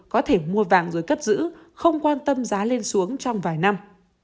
có thể mua vàng rồi cất giữ không quan tâm giá lên xuống trong vài năm